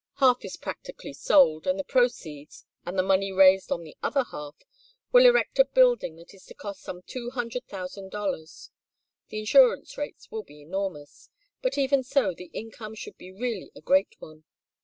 Half is practically sold, and the proceeds, and the money raised on the other half, will erect a building that is to cost some two hundred thousand dollars. The insurance rates will be enormous, but even so the income should be really a great one.